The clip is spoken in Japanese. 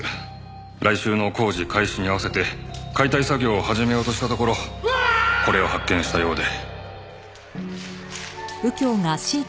来週の工事開始に合わせて解体作業を始めようとしたところこれを発見したようで。